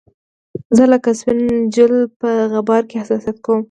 زه لکه سپین جلد په غبار کې حساسیت کومه